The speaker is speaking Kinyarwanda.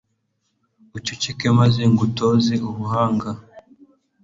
uceceke, maze ngutoze ubuhanga